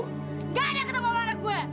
nggak ada ketemu anak gue